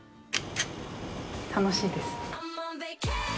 楽しいです。